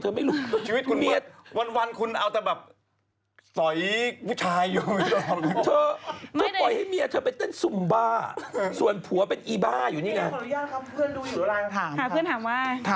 เฮ่ยไปแล้วมันไลน์ไปแล้วผ่านไปแล้ว